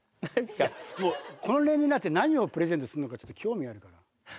この年齢になって何をプレゼントするのかちょっと興味あるから。